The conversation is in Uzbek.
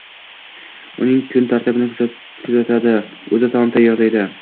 uning kun tartibini kuzatadi, o‘zi taom tayyorlaydi.